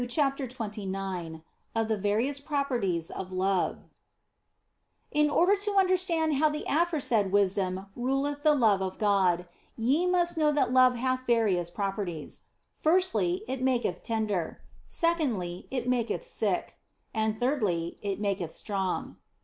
CHAPTER XXIX OF THE VARIOUS PROPERTIES OF LOVE IN order to understand how the aforesaid wisdom ruleth the love of God, ye must know that love hath various properties. Firstly, it maketh tender ; secondly, it maketh sick ; and thirdly, it maketh strong.